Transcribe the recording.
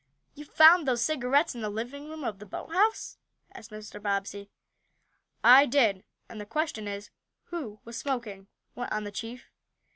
"You found those cigarettes in the living room of the boathouse?" asked Mr. Bobbsey. "I did; and the question is who was smoking?" went on the chief.